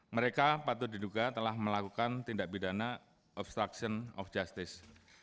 mereka patut diduga telah melakukan tindak pidana obstruction of justice